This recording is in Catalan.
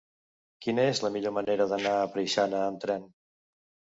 Quina és la millor manera d'anar a Preixana amb tren?